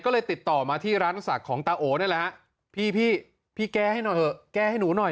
ก็เลยติดต่อมาที่ร้านศักดิ์ของตาโอนี่แหละฮะพี่พี่แก้ให้หน่อยเถอะแก้ให้หนูหน่อย